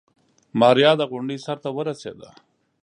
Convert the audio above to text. ماريا د غونډۍ سر ته ورسېده.